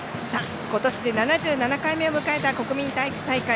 今年で７７回目を迎えた国民体育大会。